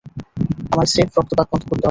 আমায় স্রেফ রক্তপাত বন্ধ করতে হবে।